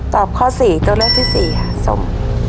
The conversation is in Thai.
ตอบข้อสี่ตัวเลือดที่สี่สม